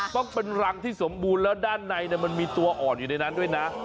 ต้องเป็นรังที่สมบูรณ์แล้วด้านในมันมีตัวอ่อนอยู่ในนั้นด้วยนะ